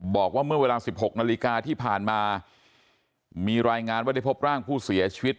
บอกว่าเมื่อเวลาสิบหกนาฬิกาที่ผ่านมามีรายงานว่าได้พบร่างผู้เสียชีวิต